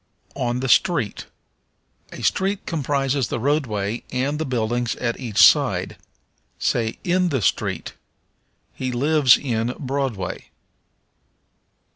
On the Street. A street comprises the roadway and the buildings at each side. Say, in the street. He lives in Broadway.